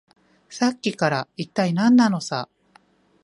さっきから、いったい何なのさ。